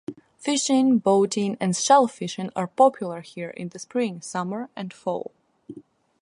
Fishing, boating and shellfishing are popular here in the spring, summer and fall.